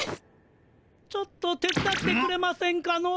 ・ちょっと手伝ってくれませんかの。